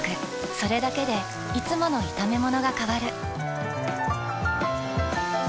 それだけでいつもの炒めものが変わる。